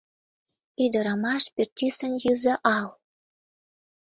Ӱдырамаш — пӱртӱсын юзо ал.